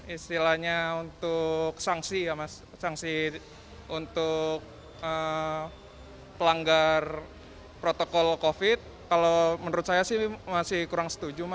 istilahnya untuk sanksi ya mas sanksi untuk pelanggar protokol covid kalau menurut saya sih masih kurang setuju